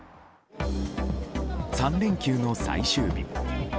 ３連休の最終日。